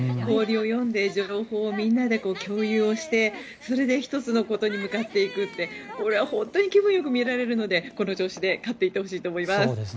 氷を読んで情報をみんなで共有してそれで１つのことに向かっていくこれは本当に気分良く見られるのでこの調子で勝っていってほしいと思います。